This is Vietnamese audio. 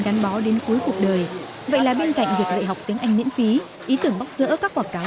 gắn bó đến cuối cuộc đời vậy là bên cạnh việc dạy học tiếng anh miễn phí ý tưởng bóc rỡ các quảng cáo